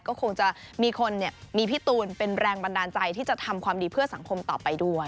ก็คงจะมีคนมีพี่ตูนเป็นแรงบันดาลใจที่จะทำความดีเพื่อสังคมต่อไปด้วย